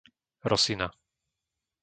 Rosina